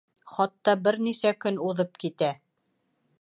Хатта бер нисә көн уҙып китә.